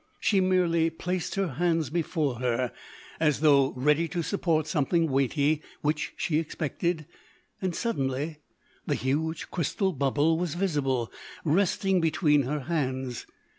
She merely placed her hands before her as though ready to support something weighty which she expected and—suddenly, the huge crystal bubble was visible, resting between her hands.